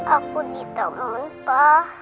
aku ditemu pa